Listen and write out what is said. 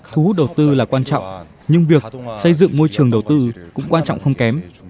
thú đầu tư là quan trọng nhưng việc xây dựng môi trường đầu tư cũng quan trọng không kém